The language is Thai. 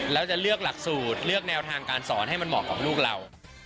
แล้วจะเลือกหลักสูตรเลือกแนวทางการสอนให้มันเหมาะกับลูกเรา